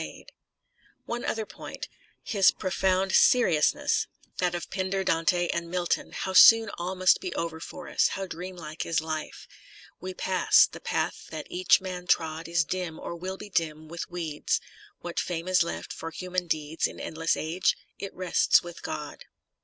254 TENNYSON One other point, his profound seriousness—' the a n ovSaiorris of Pindar, Dante and Milton — how soon all must be over for us — ^how dreamlike is life: We pass : the path that each man trod Is dim, or will be dim, with weeds ; What fame is left for human deeds In endless age ? It rests with God.